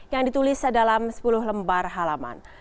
yang ditulis dalam sepuluh lembar halaman